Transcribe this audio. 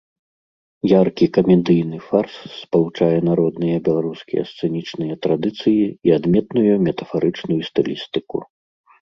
Яркі камедыйны фарс спалучае народныя беларускія сцэнічныя традыцыі і адметную метафарычную стылістыку.